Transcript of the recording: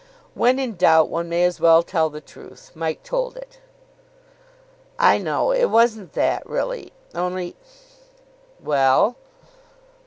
When in doubt, one may as well tell the truth. Mike told it. "I know. It wasn't that, really. Only " "Well?"